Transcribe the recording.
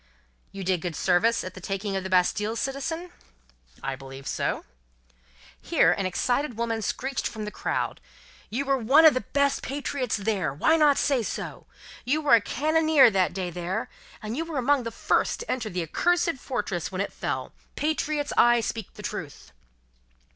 "You did good service at the taking of the Bastille, citizen?" "I believe so." Here, an excited woman screeched from the crowd: "You were one of the best patriots there. Why not say so? You were a cannonier that day there, and you were among the first to enter the accursed fortress when it fell. Patriots, I speak the truth!"